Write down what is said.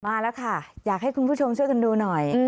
มาแล้วค่ะอยากให้คุณผู้ชมช่วยกันดูหน่อย